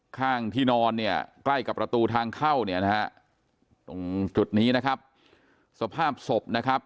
ข้างที่นอนใกล้กับประตูทางเข้าตรงจุดนี้นะครับ